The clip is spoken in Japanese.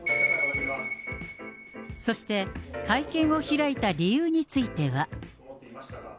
そして、会見を開いた理由については。